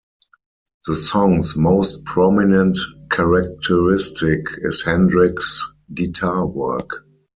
The song's most prominent characteristic is Hendrix's guitar work.